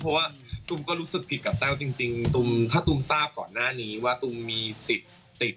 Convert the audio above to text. เพราะว่าตุ้มก็รู้สึกผิดกับแต้วจริงตุมถ้าตูมทราบก่อนหน้านี้ว่าตุมมีสิทธิ์ติด